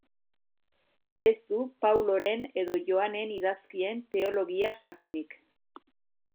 Ez du Pauloren edo Joanen idazkien teologia sakonik.